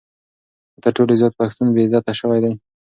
خو تر ټولو زیات پښتون بې عزته شوی دی.